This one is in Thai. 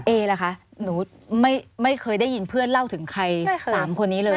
เอล่ะคะหนูไม่เคยได้ยินเพื่อนเล่าถึงใคร๓คนนี้เลย